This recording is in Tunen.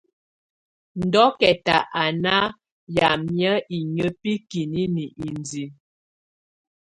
Dokɛta á nà yamɛ̀á inƴǝ́ bikinini indiǝ.